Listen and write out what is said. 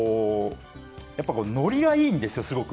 ノリがいいんですよ、すごく。